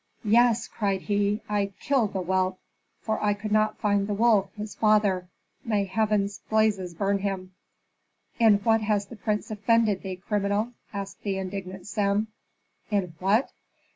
"Yes!" cried he, "I killed the whelp, for I could not find the wolf, his father, may heaven's blazes burn him!" "In what has the prince offended thee, criminal?" asked the indignant Sem. "In what?